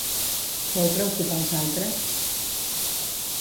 Vol preocupar als altres?